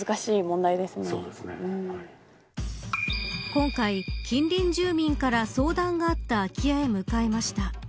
今回近隣住民から相談があった空き家へ向かいました。